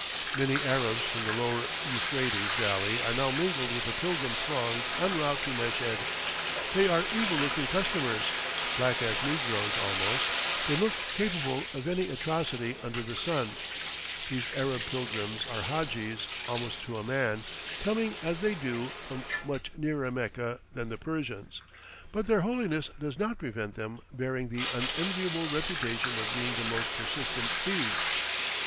Many Arabs from the Lower Euphrates valley are now mingled with the pilgrim throngs en route to Meshed. They are evil looking customers, black as negroes almost; they look capable of any atrocity under the sun. These Arab pilgrims are hadjis almost to a man, coming, as they do, from much nearer Mecca than the Persians; but their holiness does not prevent them bearing the unenviable reputation of being the most persistent thieves.